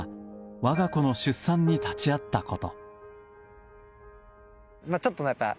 我が子の出産に立ち会ったこと。